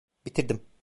Bitirdim.